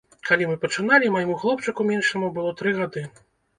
Калі мы пачыналі, майму хлопчыку меншаму было тры гады.